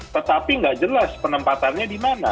tetapi tidak jelas penempatannya dimana